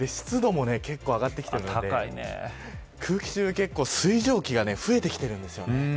湿度も結構上がってきていて空気中に結構水蒸気が増えてきているんです。